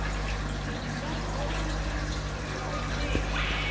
ちゃんと香りもするしすごいおいしい。